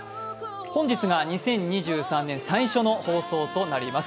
本日が２０２３年最初の放送となります。